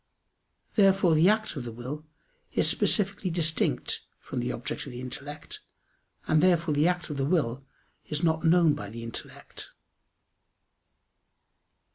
Therefore the act of the will is specifically distinct from the object of the intellect, and therefore the act of the will is not known by the intellect.